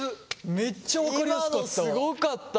めっちゃ分かりやすかった。